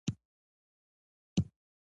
پر خپلې ګوتې د بیلو برخو ته قوه وارده کړئ.